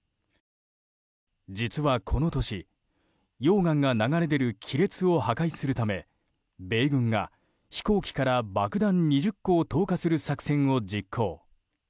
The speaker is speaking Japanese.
実はこの年、溶岩が流れ出る亀裂を破壊するため米軍が、飛行機から爆弾２０個を投下する作戦を実行。